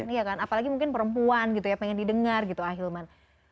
iya kan apalagi mungkin perempuan gitu ya pengen didengar gitu ahilman